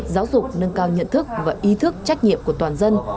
giáo dục nâng cao nhận thức và ý thức trách nhiệm của toàn dân